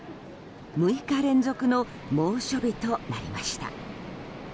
６日連続の猛暑日となりました。